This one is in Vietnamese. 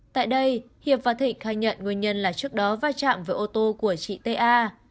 tại đây hiệp và thịnh khai nhận nguyên nhân là trước đó vai trạng với ô tô của chị t a